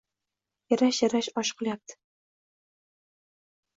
Yarash-yarash oshi qilyapti